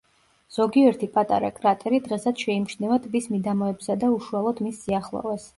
ზოგიერთი პატარა კრატერი დღესაც შეიმჩნევა ტბის მიდამოებსა და უშუალოდ მის სიახლოვეს.